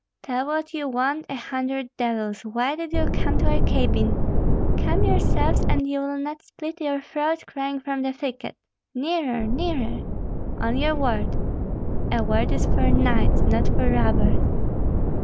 "Tell what you want, a hundred devils! Why did you come to our cabin?" "Come yourselves, and you will not split your throat crying from the thicket. Nearer, nearer!" "On your word." "A word is for knights, not for robbers.